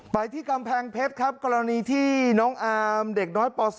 ไปที่กำแพงเพชรครับกรณีที่น้องอามเด็กน้อยป๒